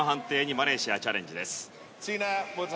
マレーシア、チャレンジです。